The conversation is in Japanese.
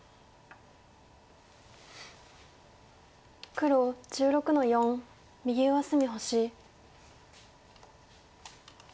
黒１６の四右上隅星。